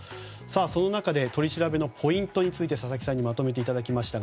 その中で取り調べのポイントについて佐々木さんにまとめていただきました。